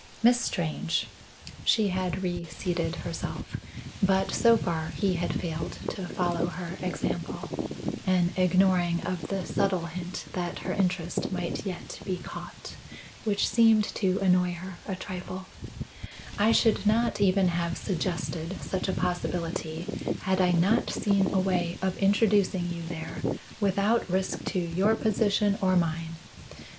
"Miss Strange" she had reseated herself, but so far he had failed to follow her example (an ignoring of the subtle hint that her interest might yet be caught, which seemed to annoy her a trifle), "I should not even have suggested such a possibility had I not seen a way of introducing you there without risk to your position or mine.